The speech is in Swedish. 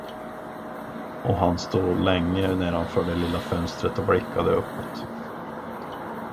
Och han stod länge nedanför det lilla fönstret och blickade uppåt.